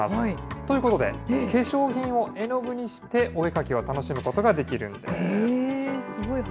ということで、化粧品を絵の具にしてお絵描きを楽しむことができるんです。